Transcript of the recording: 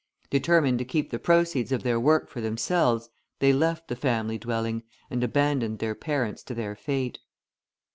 Determined to keep the proceeds of their work for themselves, they left the family dwelling, and abandoned their parents to their fate.